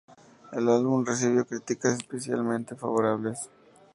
El álbum recibió críticas especialmente favorables.